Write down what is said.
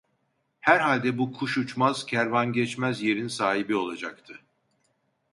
Herhalde, bu kuş uçmaz, kervan geçmez yerin sahibi olacaktı.